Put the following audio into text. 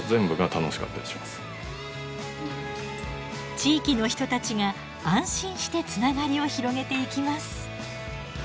地域の人たちが安心してつながりを広げていきます。